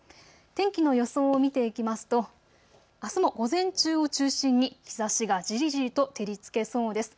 天気の予想を見ていきますとあすも午前中を中心に日ざしがじりじりと照りつけそうです。